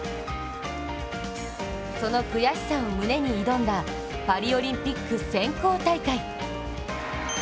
その悔しさを胸に挑んだパリオリンピック選考大会。